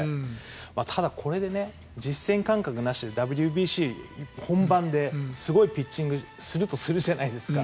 ただ、これで実戦感覚なしでＷＢＣ本番ですごいピッチングをするとするじゃないですか。